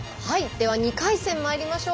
では２回戦まいりましょう。